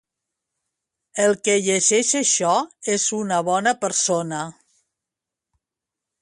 El que llegeix això és una bona persona.